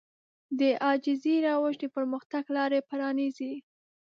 د عاجزي روش د پرمختګ لارې پرانيزي.